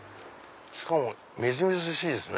しかもみずみずしいですね。